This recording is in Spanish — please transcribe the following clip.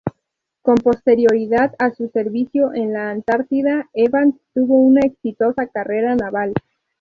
Con posterioridad a su servicio en la Antártida, Evans tuvo una exitosa carrera naval.